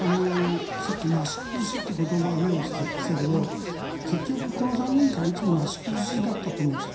さっきなし崩しという言葉大下さん、言ってたけど結局、この３年間いつもなし崩しだったと思うんです。